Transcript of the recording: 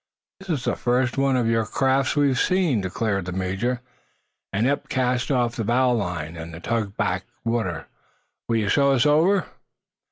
"This is the first one of your craft we've seen," declared the major, as Eph cast off the bow line, and the tug backed water. "Will you show us over?"